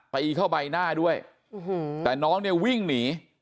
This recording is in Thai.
ตีเข้าใบหน้าด้วยอื้อหือแต่น้องเนี้ยวิ่งหนี